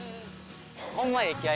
ホンマええ気合。